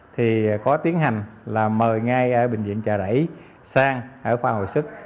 thì có tiến hành là mời ngay ở bệnh viện trà rẫy sang ở khoa hội sức